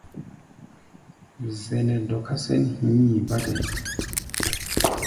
Zɛʼnɛ́ dɔká sɛ̌n hi̧i̧ bátɛ.